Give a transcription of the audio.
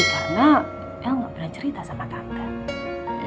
karena el gak pernah cerita sama tante